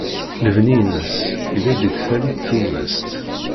Lebni-ines yella-d deg tallit tummast.